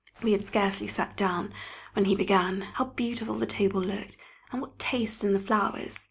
We had scarcely sat down, when he began. How beautiful the table looked, and what taste in the flowers!